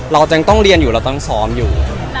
เราก็ยังต้องเรียนอยู่แล้วก็ต้องซ้อมอยู่